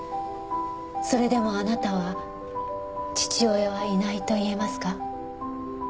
それでもあなたは父親はいないと言えますか？